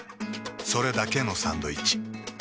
それだけのサンドイッチ。